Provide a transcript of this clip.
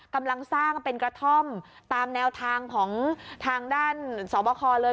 กำลังสร้างเป็นกระท่อมตามแนวทางของทางด้านสอบคอเลย